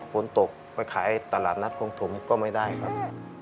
ฝนตกไปขายตลาดนัดของผมก็ไม่ได้ครับ